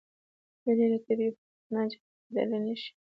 هیلۍ له طبیعي فطرت نه جلا کېدلی نشي